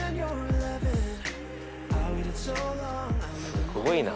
すごいな。